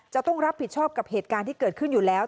จะต้องรับผิดชอบกับเหตุการณ์ที่เกิดขึ้นอยู่แล้ว